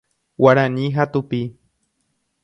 Guarani ha tupi.